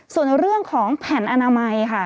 ส่วนในเรื่องของแผ่นอนามัยค่ะ